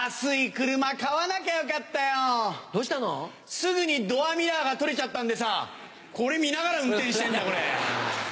すぐにドアミラーが取れちゃったんでさこれ見ながら運転してんだ俺。